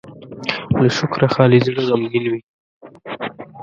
له شکره خالي زړه غمګين وي.